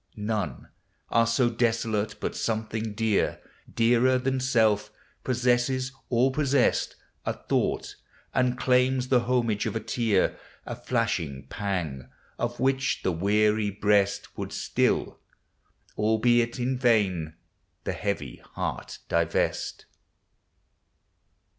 None are so desolate but something dear, Dearer than self, possesses or possessed A thought, and claims the homage of b tear; A flashing pang! of which the wear} breast Would still, albeit in vain, the he; iv.\ heart divest.